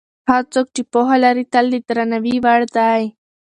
هغه څوک چې پوهه لري تل د درناوي وړ دی.